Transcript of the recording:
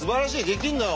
できんのよ。